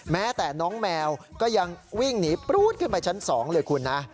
แม้แต่น้องแมวก็ยังวิ่งหนีปรู๊ดขึ้นไปชั้น๒เลยคุณนะ